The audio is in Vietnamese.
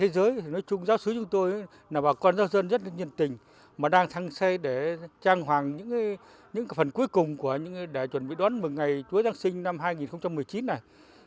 giáo dân sẽ trang hoàng những phần cuối cùng để chuẩn bị đón mừng ngày chúa giáng sinh năm hai nghìn một mươi chín này